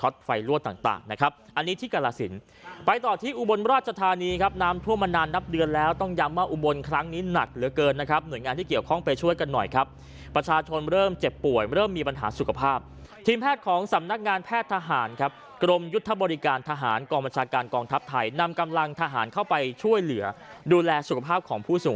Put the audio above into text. อันนี้ที่กรสินไปต่อที่อุบลราชธานีครับน้ำท่วมมานานนับเดือนแล้วต้องย้ำว่าอุบลครั้งนี้หนักเหลือเกินนะครับหน่วยงานที่เกี่ยวข้องไปช่วยกันหน่อยครับประชาชนเริ่มเจ็บป่วยเริ่มมีปัญหาสุขภาพทีมแพทย์ของสำนักงานแพทย์ทหารครับกรมยุทธบริการทหารกองบัญชาการกองทัพไทยนำกำลังทหารเข้าไปช่วยเหลือดูแลสุขภาพของผู้สูง